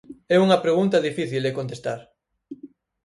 É unha pregunta difícil de contestar.